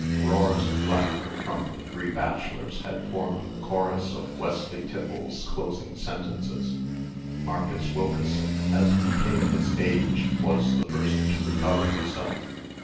Roars of laughter from the three bachelors had formed the chorus of "Wesley Tiffles's closing sentences. Marcus Wilkeson, as became his age, was the first to recover himself.